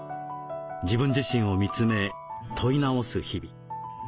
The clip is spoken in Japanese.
自分自身を見つめ問い直す日々。